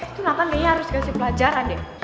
itu nathan dia harus kasih pelajaran deh